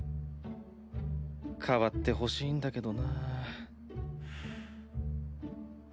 変わってほしいんだけどなぁ。